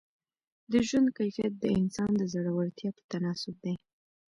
د ژوند کیفیت د انسان د زړورتیا په تناسب دی.